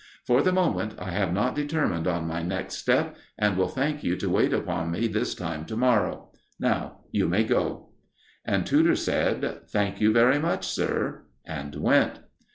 For the moment I have not determined on my next step, and will thank you to wait upon me this time to morrow. Now you may go." And Tudor said: "Thank you very much, sir," and went.